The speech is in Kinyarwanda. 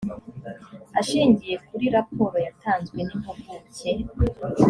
ashingiye kuri raporo yatanzwe n impuguke